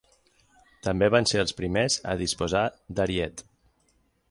També van ser els primers a disposar d'ariet.